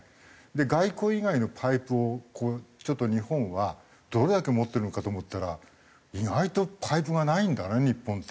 外交以外のパイプをちょっと日本はどれだけ持ってるのかと思ったら意外とパイプがないんだね日本って。